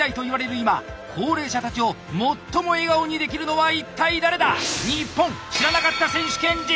今高齢者たちを最も笑顔にできるのは一体誰だ